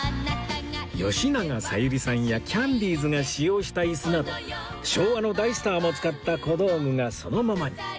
吉永小百合さんやキャンディーズが使用した椅子など昭和の大スターも使った小道具がそのままに